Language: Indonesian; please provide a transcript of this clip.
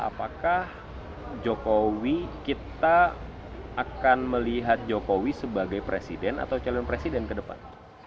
apakah jokowi kita akan melihat jokowi sebagai presiden atau calon presiden ke depan